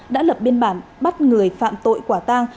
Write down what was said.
đã lập biên bản bắt người phạm tội quả tang